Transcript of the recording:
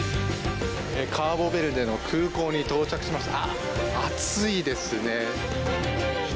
カーボベルデの空港に到着しました。